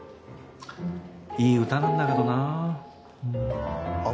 いい歌なんだけどなうん。